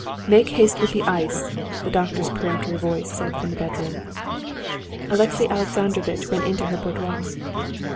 "Make haste with the ice!" the doctor's peremptory voice said from the bedroom. Alexey Alexandrovitch went into her boudoir.